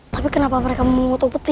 tapi kenapa mereka mengutuk peti